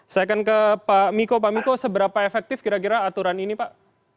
saya akan ke pak miko pak miko seberapa efektif kira kira aturan ini pak